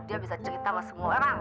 dia bisa cerita sama semua orang